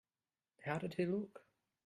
How did he look?